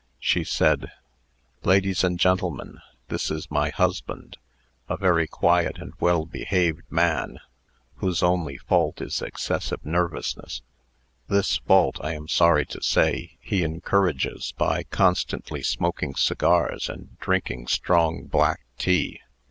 She said: "Ladies and gentlemen, this is my husband, a very quiet and well behaved man, whose only fault is excessive nervousness. This fault, I am sorry to say, he encourages, by constantly smoking cigars and drinking strong black tea.